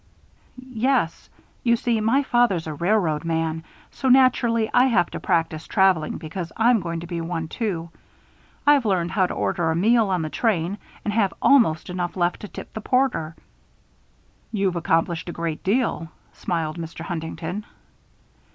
"Yes. You see, my father's a railroad man, so, naturally, I have to practice traveling because I'm going to be one, too. I've learned how to order a meal on the train and have almost enough left to tip the porter." "You've accomplished a great deal," smiled Mr. Huntington.